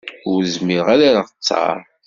Ur zmireɣ ad d-erreɣ ttaṛ.